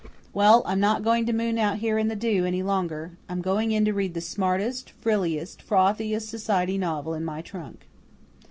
Well, I'm not going to moon out here in the dew any longer. I'm going in to read the smartest, frilliest, frothiest society novel in my trunk."